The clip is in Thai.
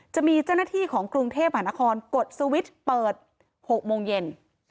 จะมีเจ้าหน้าที่ของกรุงเทพหานครกดสวิตช์เปิด๖โมงเย็น